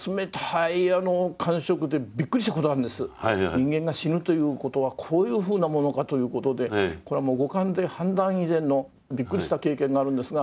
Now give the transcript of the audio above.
人間が死ぬということはこういうふうなものかということでこれはもう五感で判断以前のびっくりした経験があるんですが。